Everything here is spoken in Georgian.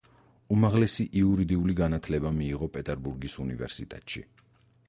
უმაღლესი იურიდიული განათლება მიიღო პეტერბურგის უნივერსიტეტში.